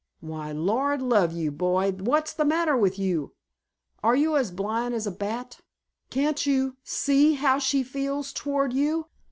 Why, Lord love you, boy, what's the matter with you? Are you blind as a bat? Can't you see how she feels toward you?